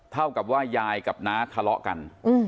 เท่ากับว่ายายกับน้าทะเลาะกัน